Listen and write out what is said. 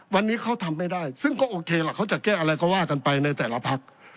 วันนี้เขาทำไม่ได้ซึ่งก็โอเคล่ะเขาจะแก้อะไรก็ว่ากันไปในแต่ละพัก